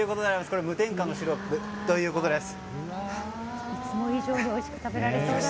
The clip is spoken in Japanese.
これは無添加のシロップということです。